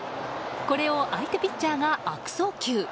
これを相手ピッチャーが悪送球。